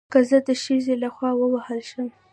که زه د ښځې له خوا ووهل شم